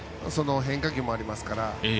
変化球もありますから。